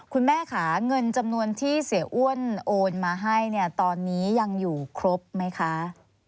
คุณแม่ค่ะเงินจำนวนที่เสียอ้วนโอนมาให้เนี่ยตอนนี้ยังอยู่ครบไหมคะ